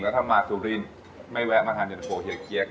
ถ้ามาสุรินทร์ไม่แวะมาทานเย็นตะโฟเฮียเจี๊ยก